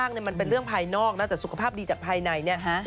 ว่าขนาดนี้มันเป็นเรื่องภายนอกนะแต่สุขภาพดีจากภายในเนี่ย